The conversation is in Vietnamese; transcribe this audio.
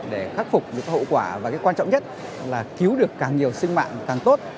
để khắc phục được hậu quả và cái quan trọng nhất là cứu được càng nhiều sinh mạng càng tốt